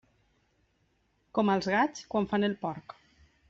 Com als gats quan fan el porc.